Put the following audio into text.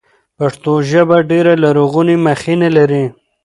پښتو ژبه ډېره لرغونې مخینه لري.